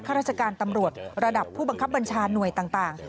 ราชการตำรวจระดับผู้บังคับบัญชาหน่วยต่าง